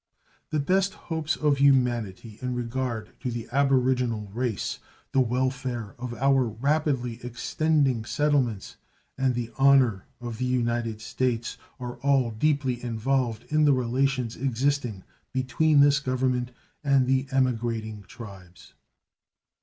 The best hopes of humanity in regard to the aboriginal race, the welfare of our rapidly extending settlements, and the honor of the United States are all deeply involved in the relations existing between this Government and the emigrating tribes.